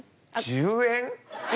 １０円？